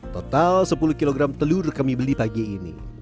total sepuluh kg telur kami beli pagi ini